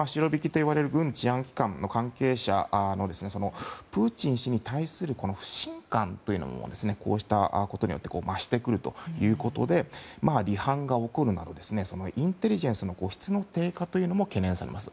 軍治安機関といわれる関係者のプーチン氏に対する不信感というのもこうしたことで増してくるということで離反が起こるなどインテリジェンスの質の低下というのも懸念されます。